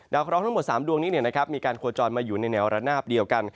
ครองทั้งหมด๓ดวงนี้มีการโคจรมาอยู่ในแนวระนาบเดียวกัน